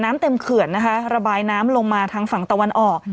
น้ำเต็มเขื่อนนะคะระบายน้ำลงมาทางฝั่งตะวันออก